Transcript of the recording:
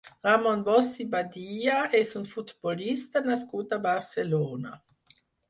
Ramon Ros i Badia és un futbolista nascut a Barcelona.